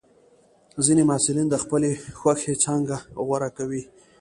ځینې محصلین د خپلې خوښې څانګه غوره کوي.